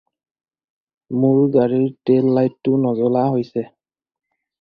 মোৰ গাড়ীৰ টেইল লাইটটো নজ্বলা হৈছে।